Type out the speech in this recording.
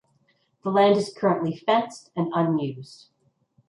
The land is currently fenced and unused.